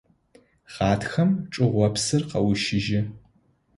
Гъатхэм чӏыопсыр къэущыжьы.